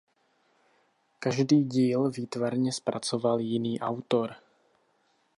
Každý díl výtvarně zpracoval jiný autor.